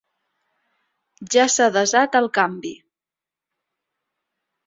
Ja s'ha desat el canvi.